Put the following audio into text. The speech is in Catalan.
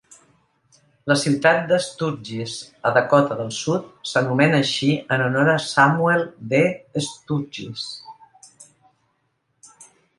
La ciutat de Sturgis, a Dakota del Sud, s'anomena així en honor a Samuel D. Sturgis.